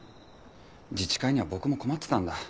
自治会には僕も困ってたんだ。